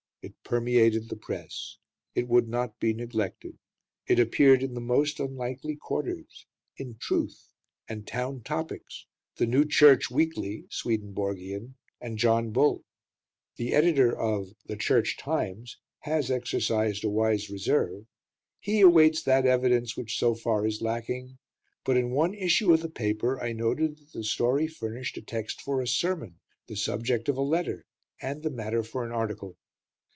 It permeated the Press: it would not be neglected; it appeared in the most unlikely quarters in Truth and Town Topics, The New Church Weekly (Swedenborgian) and John Bull. The editor of The Church Times has exercised a wise reserve: he awaits that evidence which so far is lacking; but in one issue of the paper I noted that the story furnished a text for a sermon, the subject of a letter, and the matter for an article.